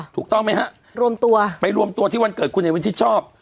ถูกต้องไหมฮะรวมตัวไปรวมตัวที่วันเกิดคุณเอวินชิดชอบ